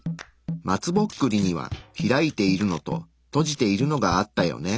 松ぼっくりには開いているのと閉じているのがあったよね。